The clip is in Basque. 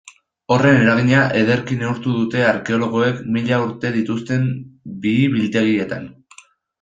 Horren eragina ederki neurtu dute arkeologoek mila urte dituzten bihi-biltegietan.